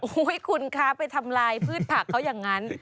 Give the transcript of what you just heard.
โอ้ยคุณครับไปทำรายพืชผักเขาอย่างนั้น